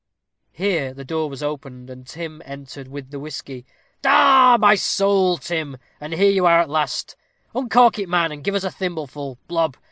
Here the door was opened, and Tim entered with the whisky. "Arrah! by my soul, Tim, and here you are at last uncork it, man, and give us a thimbleful blob!